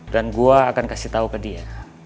dan gue akan kasih tau ke dia